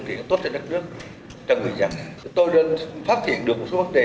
để có vấn đề được phát triển tôi nên phát triển đạt được một số vấn đề